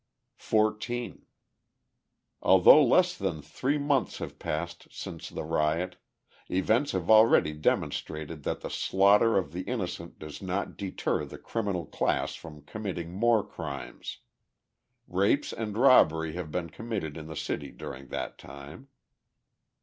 14. Although less than three months have passed since the riot, events have already demonstrated that the slaughter of the innocent does not deter the criminal class from committing more crimes. Rapes and robbery have been committed in the city during that time.